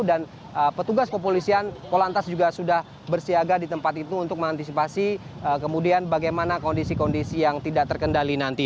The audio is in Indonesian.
dan petugas kepolisian polantas juga sudah bersiaga di tempat itu untuk mengantisipasi kemudian bagaimana kondisi kondisi yang tidak terkendali nanti